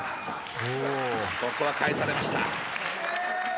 ここは返されました